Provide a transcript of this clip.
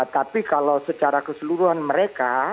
tapi kalau secara keseluruhan mereka